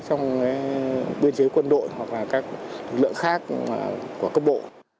cái biên giới quân đội hoặc là các lượng khác của cấp bộ